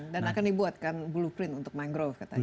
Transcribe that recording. dan akan dibuatkan blueprint untuk mangrove katanya